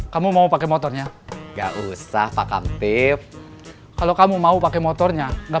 kamu mau pakai motornya gak usah pakai tip kalau kamu mau pakai motornya enggak